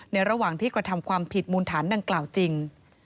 ระหว่างที่กระทำความผิดมูลฐานดังกล่าวจริง